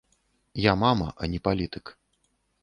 Я мама, а не палітык.